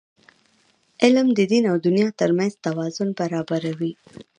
علم د دین او دنیا ترمنځ توازن برابروي.